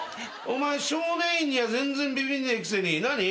お前少年院には全然ビビんねえくせに何？